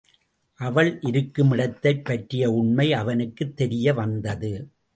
அவள் இருக்குமிடத்தைப் பற்றிய உண்மை அவனுக்குத் தெரியவந்தது.